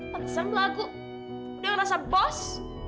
paksa melaku udah nggak rasa bos